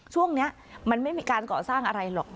ช่วงนี้มันไม่มีการก่อสร้างอะไรหรอก